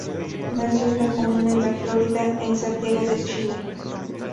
Nació en la comuna en La Florida, en Santiago de Chile.